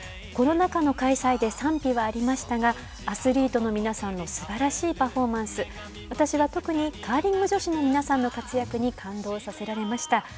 コロナ禍の開催で賛否はありましたが、アスリートの皆さんのすばらしいパフォーマンス、私は特にカーリング女子の皆さんの活躍に感動させられました。